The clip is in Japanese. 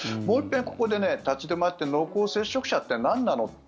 もう一遍ここで立ち止まって濃厚接触者ってなんなの？